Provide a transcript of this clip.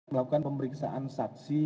melakukan pemeriksaan saksi